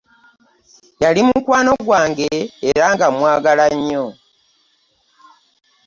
Yali mukwano gwange era nga mwagala nnyo .